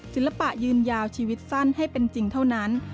ศิลปะยืนยาวชีวิตสั้นให้เป็นจริงเท่านั้น